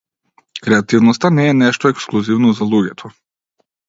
Креативноста не е нешто ексклузивно за луѓето.